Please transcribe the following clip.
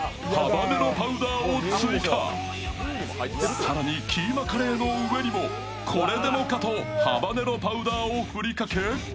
更にキーマカレーの上にもこれでもかとハバネロパウダーをふりかけ